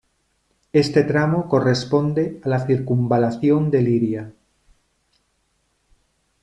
Este tramo corresponde a la circunvalación de Liria.